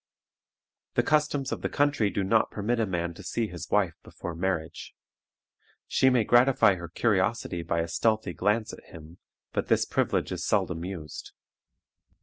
The customs of the country do not permit a man to see his wife before marriage. She may gratify her curiosity by a stealthy glance at him, but this privilege is seldom used.